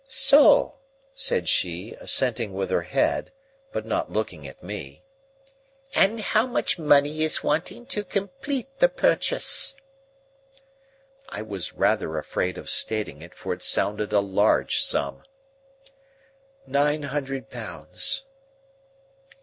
"So!" said she, assenting with her head, but not looking at me. "And how much money is wanting to complete the purchase?" I was rather afraid of stating it, for it sounded a large sum. "Nine hundred pounds."